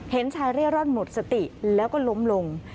เห็นชายเร่ร่อนหมดสติแล้วก็ล้มลง